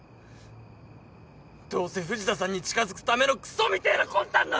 どうせ藤田さんに近づくためのクソみてえな魂胆だろ！